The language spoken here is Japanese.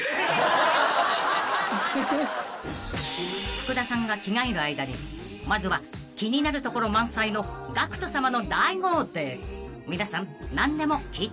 ［福田さんが着替える間にまずは気になるところ満載のＧＡＣＫＴさまの大豪邸皆さん何でも聞いちゃいましょう］